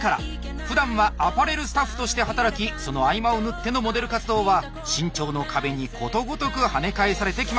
ふだんはアパレルスタッフとして働きその合間を縫ってのモデル活動は身長の壁にことごとくはね返されてきました。